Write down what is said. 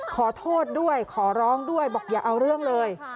ขอโทษด้วยขอร้องด้วยบอกอย่าเอาเรื่องเลย